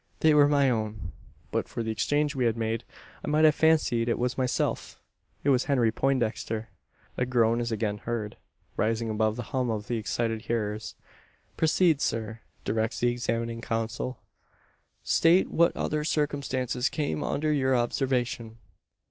They were my own. But for the exchange we had made, I might have fancied it was myself. It was Henry Poindexter." A groan is again heard rising above the hum of the excited hearers. "Proceed, sir!" directs the examining counsel. "State what other circumstances came under your observation."